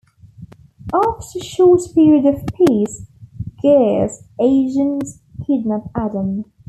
After a short period of peace, Gaea's agents kidnap Adam.